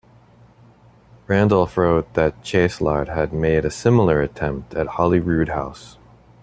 Randolph wrote that Chastelard had made a similar attempt at Holyroodhouse.